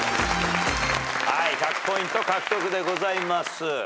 １００ポイント獲得でございます。